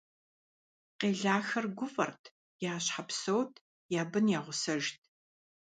Къелахэр гуфӀэрт, я щхьэ псэут, я бын я гъусэжт.